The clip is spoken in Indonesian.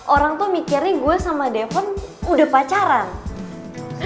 orang tuh mikirnya gua sama devon udah pacaran